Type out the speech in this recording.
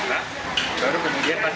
baru kemudian pas kita makan